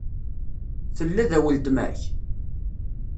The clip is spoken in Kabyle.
Tella da weltma-k?